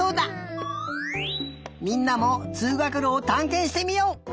みんなもつうがくろをたんけんしてみよう！